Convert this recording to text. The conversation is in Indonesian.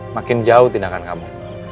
makin jauh tindakan kamu